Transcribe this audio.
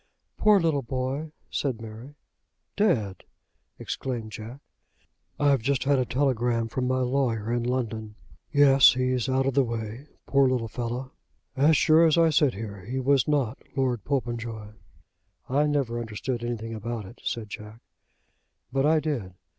"Poor little boy!" said Mary. "Dead!" exclaimed Jack. "I've just had a telegram from my lawyer in London. Yes; he's out of the way. Poor little fellow! As sure as I sit here he was not Lord Popenjoy." "I never understood anything about it," said Jack. "But I did.